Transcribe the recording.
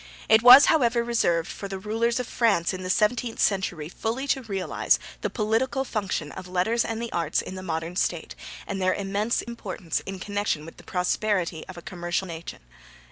It was, however, reserved for the rulers of France in the seventeenth century fully to realise the political function of letters and the arts in the modern State, and their immense importance in connection with the prosperity of a commercial nation.'